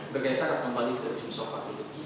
bergeser kembali ke ujung sofa